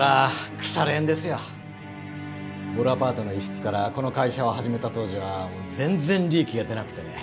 ぼろアパートの一室からこの会社を始めた当時は全然利益が出なくてね。